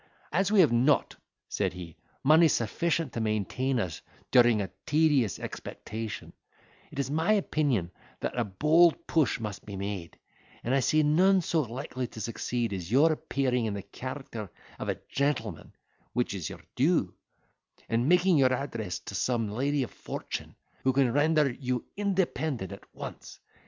"As we have not," said he, "money sufficient to maintain us during a tedious expectation, it is my opinion that a bold push must be made; and I see none so likely to succeed as your appearing in the character of a gentleman (which is your due), and making your addresses to some lady of fortune, who can render you independent at once.